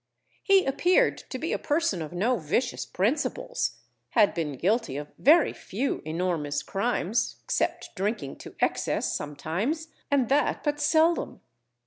He appeared to be a person of no vicious principles, had been guilty of very few enormous crimes, except drinking to excess sometimes, and that but seldom.